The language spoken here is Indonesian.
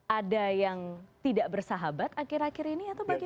ada yang tidak bersahabat akhir akhir ini atau bagaimana